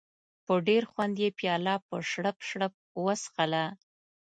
په ډېر خوند یې پیاله په شړپ شړپ وڅښله.